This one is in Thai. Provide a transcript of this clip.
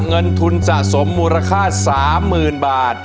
เงินทุนสะสมมูลค่า๓๐๐๐บาท